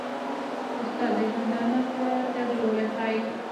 استاد د ژوندانه ښه تګلوری ښيي.